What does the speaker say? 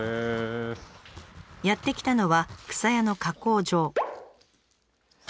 やって来たのはくさやの加工場。